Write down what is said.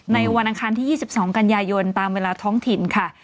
ในวันอันคารที่ยี่สิบสองกันยายนตามเวลาท้องถิ่นค่ะ